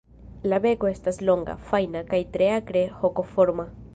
La beko estas longa, fajna, kaj tre akre hokoforma.